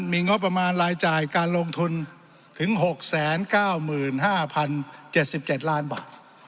มีงบประมาณรายจ่ายการลงทุนถึงหกแสนเก้าหมื่นห้าพันเจ็ดสิบเจ็ดล้านบาท